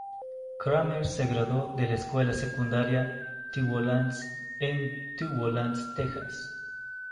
Kramer se graduó de la Escuela Secundaria The Woodlands en The Woodlands, Texas.